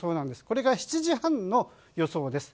これが７時半の予想です。